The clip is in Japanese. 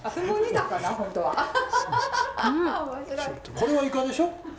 これはイカでしょ？